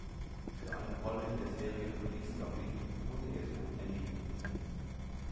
Für eine Rolle in der Serie "Police Story" wurde er für den Emmy nominiert.